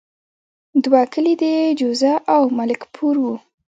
دوه کلي د جوزه او ملک پور وو.